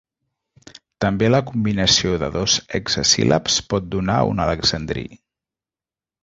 També la combinació de dos hexasíl·labs pot donar un alexandrí.